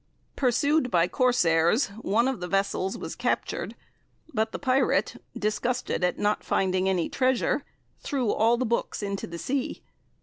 Pursued by Corsairs, one of the vessels was captured, but the pirate, disgusted at not finding any treasure, threw all the books into the sea.